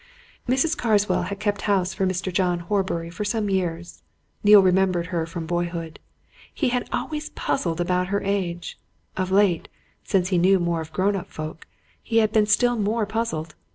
Mrs. Carswell had kept house for Mr. John Horbury for some years Neale remembered her from boyhood. He had always been puzzled about her age. Of late, since he knew more of grown up folk, he had been still more puzzled.